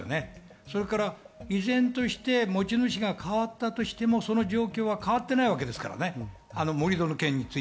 それから依然として持ち主が変わったとしても、その状況は変わっていないわけですからね。